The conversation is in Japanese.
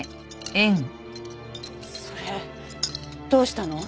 それどうしたの？